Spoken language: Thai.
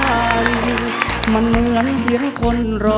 ใกล้ตาได้ยินมันล่าเสียงไกล